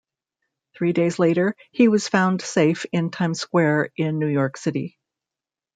Three days later, he was found safe in Times Square in New York City.